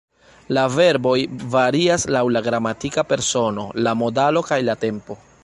La verboj varias laŭ la gramatika persono, la modalo kaj la tempo.